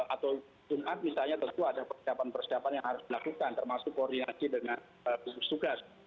atau jumat misalnya tentu ada persiapan persiapan yang harus dilakukan termasuk koordinasi dengan tugas tugas